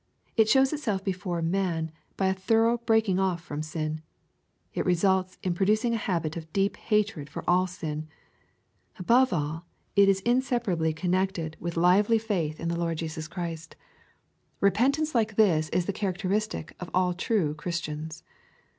It shows itself before man by a thorough breaking off from sin. It reiBults in producing a habit of deep hatred for all sin. Above all, it is inseparably connected with lively faith iv 110 EXPOSITORY THOUGHTS. the Lord Jesus Christ. Kepentaace like this is th« characteristic of all true Christians.